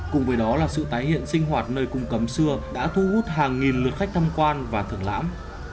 cùng với đó là sự tái hiện sinh hoạt nơi cung cấm xưa đã thu hút hàng nghìn lượt khách tham quan và thưởng lãm